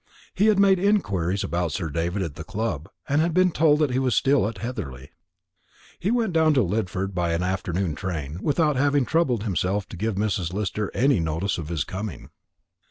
He had made inquiries about Sir David at the club, and had been told that he was still at Heatherly. He went down to Lidford by an afternoon train, without having troubled himself to give Mrs. Lister any notice of his coming.